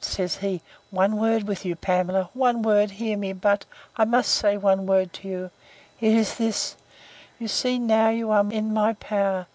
Says he, One word with you, Pamela; one word hear me but; I must say one word to you, it is this: You see now you are in my power!